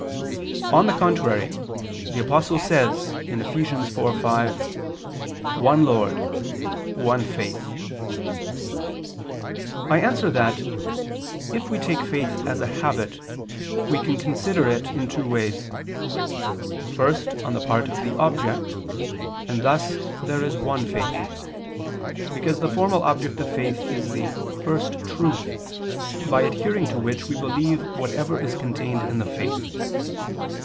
On the contrary, The Apostle says (Eph. 4:5): "One Lord, one faith." I answer that, If we take faith as a habit, we can consider it in two ways. First on the part of the object, and thus there is one faith. Because the formal object of faith is the First Truth, by adhering to which we believe whatever is contained in the faith.